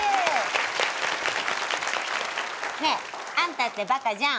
ねえあんたってバカじゃん。